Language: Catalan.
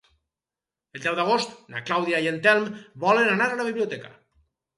El deu d'agost na Clàudia i en Telm volen anar a la biblioteca.